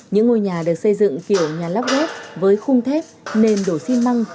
những ngôi nhà được xây dựng kiểu nhà lắp ráp với khung thép nền đổ xi măng